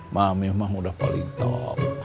mami mah udah paling tol